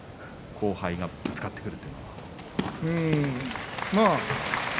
後輩がぶつかってくるのは。